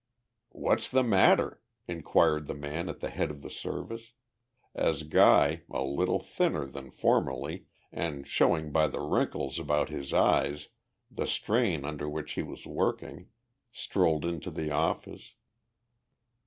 "What's the matter?" inquired the man at the head of the Service as Guy, a little thinner than formerly and showing by the wrinkles about his eyes the strain under which he was working, strolled into the office.